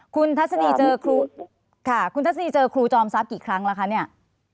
คุณทัศนีเจอครูค่ะคุณทัศนีเจอครูจอมทรัพย์กี่ครั้งแล้วคะเนี่ย